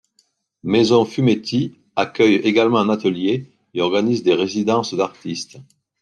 Maison Fumetti accueille également un atelier, et organise des résidences d'artistes.